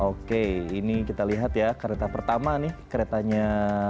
oke ini kita lihat ya kereta pertama nih keretanya